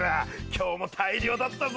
今日も大漁だったぞ！